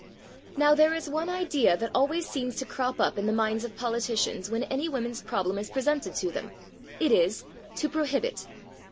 Now there is one idea that always seems to crop up in the minds of politicians when any women's problem is presented to them: it is, to prohibit.